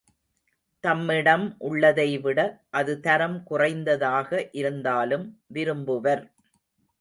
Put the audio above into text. தம்மிடம் உள்ளதைவிட அது தரம் குறைந்ததாக இருந்தாலும் விரும்புவர்.